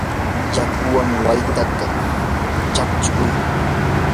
yakuwan waytata chaqchuy.